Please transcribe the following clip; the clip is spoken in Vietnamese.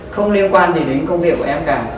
không liên quan gì đến công việc của em cả